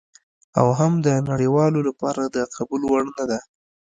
او هم د نړیوالو لپاره د قبول وړ نه ده.